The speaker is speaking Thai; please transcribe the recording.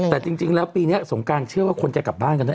แต่จริงแล้วปีนี้สงการเชื่อว่าคนจะกลับบ้านกันได้